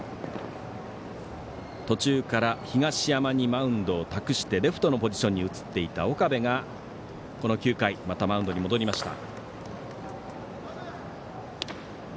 途中から東山にマウンドを託してレフトのポジションに移っていた岡部がこの９回またマウンドに戻りました。